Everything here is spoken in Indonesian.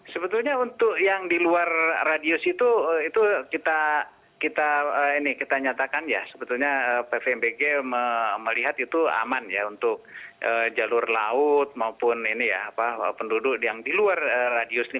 sebetulnya untuk yang di luar radius itu kita nyatakan ya sebetulnya pvmbg melihat itu aman ya untuk jalur laut maupun ini ya penduduk yang di luar radius ini